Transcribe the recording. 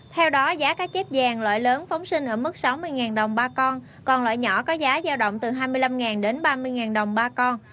theo đó giá cá chép vàng loại lớn phóng sinh ở mức sáu mươi đồng ba con còn loại nhỏ có giá giao động từ hai mươi năm đến ba mươi đồng ba con